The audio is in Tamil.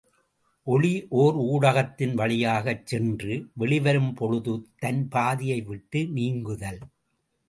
ஒளி ஒர் ஊடகத்தின் வழியாகச் சென்று வெளிவரும் பொழுது தன் பாதையை விட்டு நீங்குதல்.